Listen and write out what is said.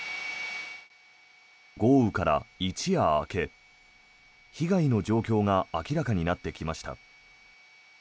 豪雨から一夜明け被害の状況が明らかになってきました。